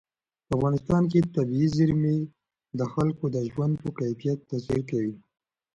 په افغانستان کې طبیعي زیرمې د خلکو د ژوند په کیفیت تاثیر کوي.